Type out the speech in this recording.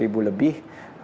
empat ratus ribu lebih